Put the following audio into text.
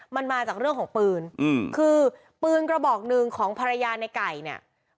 มันมาจากเรื่องของปืนอืมคือปืนกระบอกหนึ่งของภรรยาในไก่เนี่ย